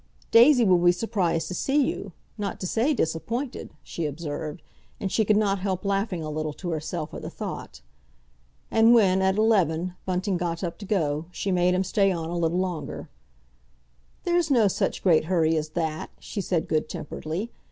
"Daisy will be surprised to see you—not to say disappointed!" she observed, and she could not help laughing a little to herself at the thought. And when, at eleven, Bunting got up to go, she made him stay on a little longer. "There's no such great hurry as that," she said good temperedly.